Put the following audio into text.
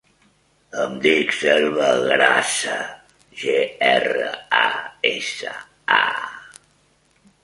Em dic Selva Grasa: ge, erra, a, essa, a.